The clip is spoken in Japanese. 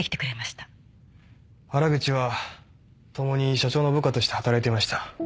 原口はともに社長の部下として働いていました。